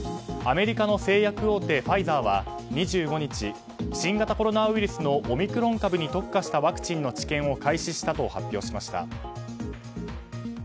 アメリカの製薬大手ファイザーは２５日新型コロナウイルスのオミクロン株に特化したワクチンの治験を開始したと発表しました。